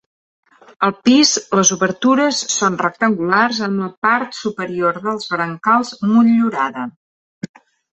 Al pis, les obertures són rectangulars amb la part superior dels brancals motllurada.